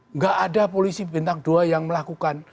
nggak ada polisi bintang dua yang melakukan